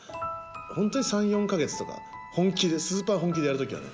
本当に３４か月とか本気でスーパー本気でやる時はやる。